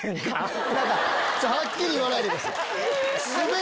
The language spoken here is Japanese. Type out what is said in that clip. はっきり言わないでください。